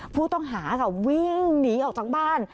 ผู้ต้องหาค่ะวิ่งหนีออกจากบ้าน